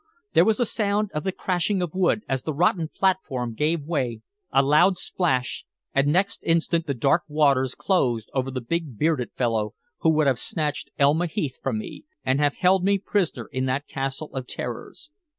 There was the sound of the crashing of wood as the rotten platform gave way, a loud splash, and next instant the dark waters closed over the big, bearded fellow who would have snatched Elma Heath from me, and have held me prisoner in that castle of terrors.